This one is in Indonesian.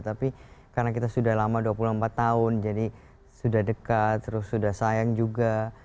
tapi karena kita sudah lama dua puluh empat tahun jadi sudah dekat terus sudah sayang juga